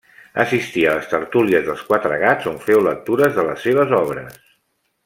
Assistí a les tertúlies dels Quatre Gats on feu lectures de les seves obres.